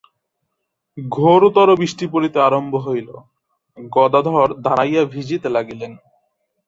ঘোরতর বৃষ্টি পড়িতে আরম্ভ হইল, গদাধর দাঁড়াইয়া ভিজিতে লাগিলেন।